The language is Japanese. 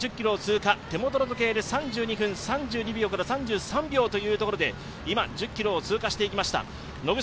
手元の時計で３２分３２秒から３３秒というところで今、１０ｋｍを通過していきました。